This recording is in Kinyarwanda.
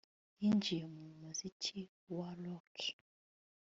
Yinjiye mu muziki wa rock